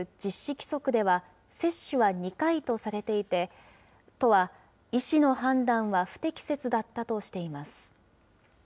規則では、接種は２回とされていて、都は医師の判断は不適切だったとしています。